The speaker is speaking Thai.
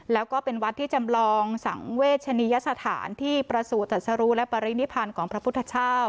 แล้วก็เป็นวัดที่จำลองสังเวชนียสถานที่ประสูจนจัดสรุและปรินิพันธ์ของพระพุทธเจ้า